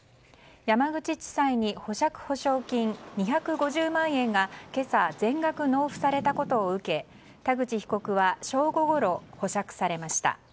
山口地裁に保釈保証金２５０万円が今朝、全額納付されたことを受け田口被告は正午ごろ保釈されました。